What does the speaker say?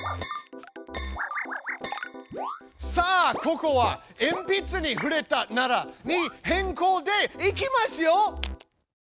さあここは「えんぴつに触れたなら」に変こうでいきますよ！